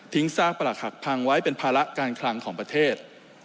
ซากประหลักหักพังไว้เป็นภาระการคลังของประเทศ